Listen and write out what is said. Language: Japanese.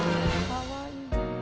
かわいい。